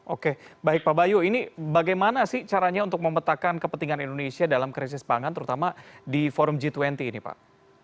oke baik pak bayu ini bagaimana sih caranya untuk memetakan kepentingan indonesia dalam krisis pangan terutama di forum g dua puluh ini pak